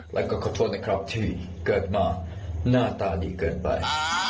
แล้วก็ขอโทษนะครับที่เกิดมาหน้าตาดีเกินไป